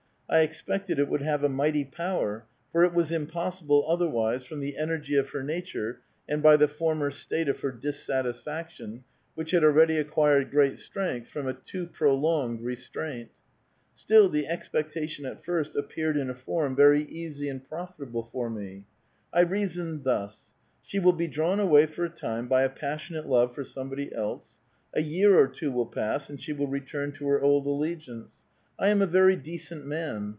I expected it wotjld have a mighty power, for it was impossible otherwise, from the energy of her nature and by the former state of her dissatisfaction, which had already acquired great strength from a too prolonged restraint. Still, the expectation at fii*st appeared in a form very easy and profitable for me. I reasoned thus : she will be drawn away for a time by a passionate love for somebody else ; a year or two will pass and she will return to her old allegiance. I am a very decent man.